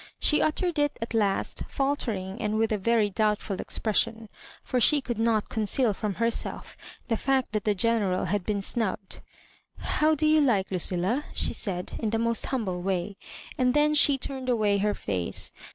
She uttered it at last, fieiltering, and with a very doubtful expression, for she could not con ceal from herself the fact that the General had been snubbed. "How do you like Lucilla?" she said, in the most humble way; and then she turned away her face.